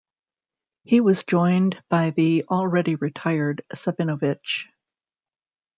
He was joined by the already retired Savinovich.